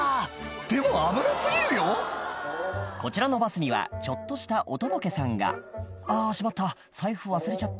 でも危な過ぎるよこちらのバスにはちょっとしたおとぼけさんが「あっしまった財布忘れちゃった」